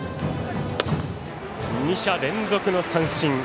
２者連続の三振。